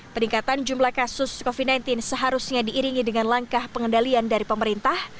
peningkatan jumlah kasus covid sembilan belas seharusnya diiringi dengan langkah pengendalian dari pemerintah